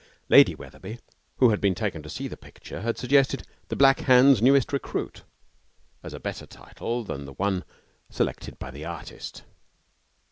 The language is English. Lady Wetherby, who had been taken to see the picture, had suggested 'The Black Hand's Newest Recruit' as a better title than the one selected by the artist.